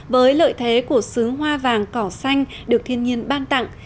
với lợi thế của xứ hoa vàng cỏ xanh được thiên nhiên ban tặng